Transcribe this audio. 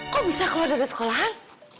kok bisa keluar dari sekolahan